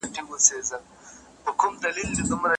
قلم ډک لرم له وینو نظم زما په وینو سور دی